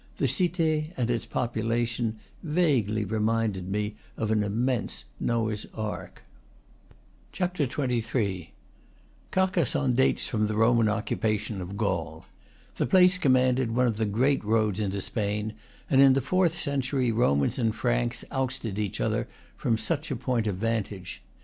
The Cite and its population vaguely reminded me of an immense Noah's ark. XXIII. Carcassonne dates from the Roman occupation of Gaul. The place commanded one of the great roads into Spain, and in the fourth century Romans and Franks ousted each other from such a point of vantage.